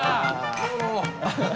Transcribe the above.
どうも。